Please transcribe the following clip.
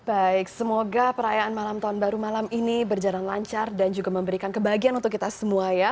baik semoga perayaan malam tahun baru malam ini berjalan lancar dan juga memberikan kebahagiaan untuk kita semua ya